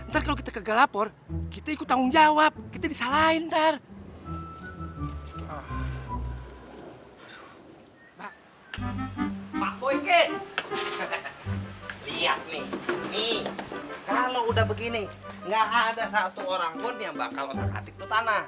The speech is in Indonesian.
gak ada satu orang pun yang bakal otak atik tutana